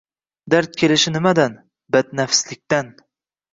Dard kelishi nimadan? – Badnafslikdan.